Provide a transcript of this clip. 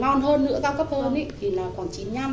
có một loại ngon hơn nữa cao cấp hơn ý thì là khoảng chín mươi năm